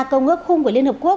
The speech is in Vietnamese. câu ngước khung của liên hợp quốc